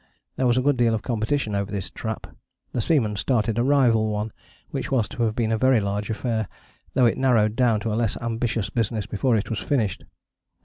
There was a good deal of competition over this trap: the seamen started a rival one, which was to have been a very large affair, though it narrowed down to a less ambitious business before it was finished.